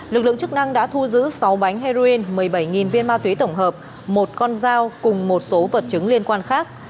lực lượng chức năng đã thu giữ sáu bánh heroin một mươi bảy viên ma túy tổng hợp một con dao cùng một số vật chứng liên quan khác